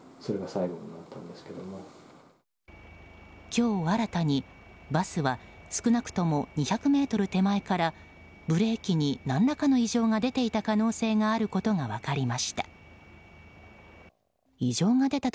今日、新たにバスは少なくとも２００ｍ手前からブレーキに何らかの異常が出ていた可能性があることが分かりました。